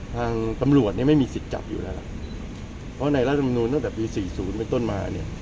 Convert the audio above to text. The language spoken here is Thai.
ทางตำรวจไม่มีสิทธิ์จับอยู่แล้วเพราะในรัฐบาลนูนตั้งแต่ปี๔๐ไปต้นมา